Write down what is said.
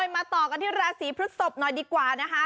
มาต่อกันที่ราศีพฤศพหน่อยดีกว่านะคะ